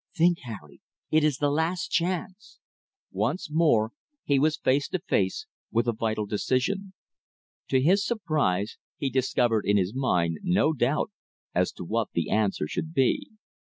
"Think, Harry; it is the last chance!" Once more he was face to face with a vital decision. To his surprise he discovered in his mind no doubt as to what the answer should be.